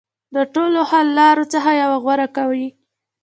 د ټولو حل لارو څخه یوه غوره کوي.